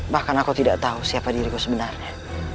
bahkan aku tidak tahu siapa diriku sebenarnya